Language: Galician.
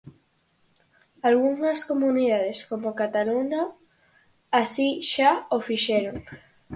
Algunhas comunidades como Cataluña así xa o fixeron.